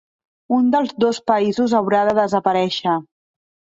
Un dels dos països haurà de desaparèixer.